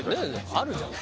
あるじゃん。